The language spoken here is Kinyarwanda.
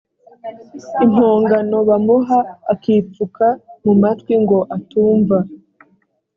impongano bamuha akipfuka mu matwi ngo atumva